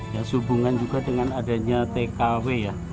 ya sehubungan juga dengan adanya tkw ya